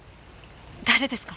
誰ですか？